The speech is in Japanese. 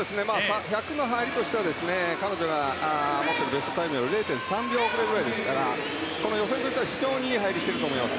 １００の入りとしては彼女が持っているベストタイムより０．３秒遅れくらいですから予選でいったら非常にいい入りしていると思います。